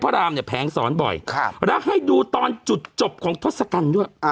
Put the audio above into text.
แล้วให้ดูตอนจุดจบของทศกัณฐ์ด้วย